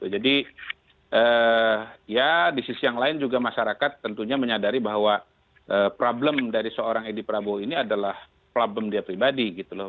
jadi ya di sisi yang lain juga masyarakat tentunya menyadari bahwa problem dari seorang edi prabowo ini adalah problem dia pribadi gitu loh